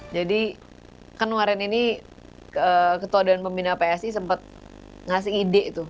jadi kan warian ini ketua dan pembina psi sempat ngasih ide itu